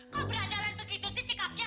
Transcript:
kok berandalan begitu sih sikapnya